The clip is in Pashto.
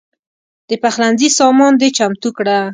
د پخلنځي سامان دې چمتو کړه.